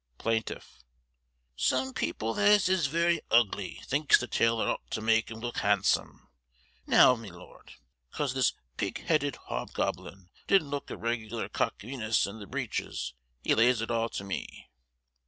Plaintiff: Some people as is werry ugly, thinks the tailor ought to make 'em look handsome. Now, my lord, 'cause this pig headed hobgoblin didn't look a regular cock wenus in the breeches, he lays it all to me.